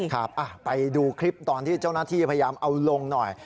ครับไปดูคลิปตอนที่เจ้าหน้าที่พยายามเอาลงหน่อย